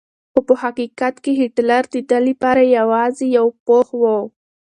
خو په حقیقت کې هېټلر د ده لپاره یوازې یو پوښ و.